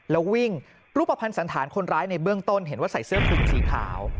แล้ววิ่งรูปภัณฑ์สันธารคนร้ายในเบื้องต้นเห็นว่าใส่เสื้อคลุมสีขาว